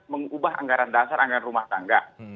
mengubah anggaran dasar anggaran rumah tangga